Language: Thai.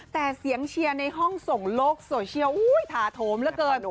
แต่เสียงเชียร์ในห้องส่งโลกโซเชียลถาโถมเหลือเกิน